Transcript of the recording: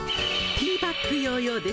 ティーバッグ・ヨーヨーですわ。